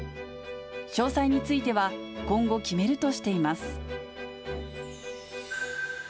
詳細については、今後、決めるとしています。